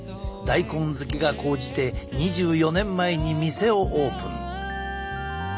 大根好きが高じて２４年前に店をオープン。